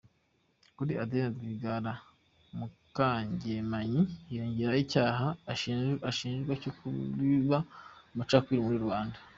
Kuri Adeline Rwigara Mukangemanyi, hiyongeraho icyaha ashinjwa cyo kubiba amacakubiri muri rubanda.